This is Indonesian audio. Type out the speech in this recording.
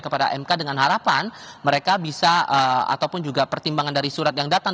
kepada mk dengan harapan mereka bisa ataupun juga pertimbangan dari surat yang datang